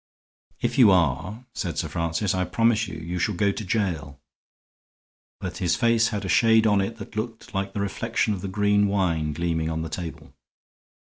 "If you are," said Sir Francis, "I promise you you shall go to jail." But his face had a shade on it that looked like the reflection of the green wine gleaming on the table.